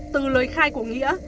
từ lời khai của nghĩa